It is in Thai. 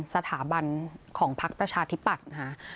สถาบันของพักประชาธิปัตย์นะคะ